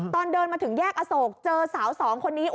ตอนเดินมาถึงแยกอโศกเจอสาวสองคนนี้